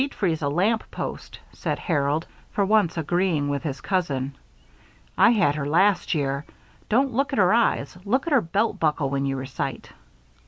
"She'd freeze a lamp post," said Harold, for once agreeing with his cousin. "I had her last year. Don't look at her eyes look at her belt buckle when you recite."